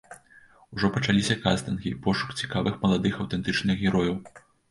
Ужо пачаліся кастынгі, пошук цікавых маладых аўтэнтычных герояў.